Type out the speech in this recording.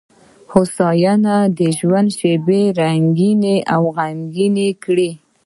هوسونه د ژوند شېبې رنګینې او غمګینې کړي.